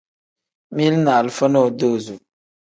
Mili ni alifa nodozo.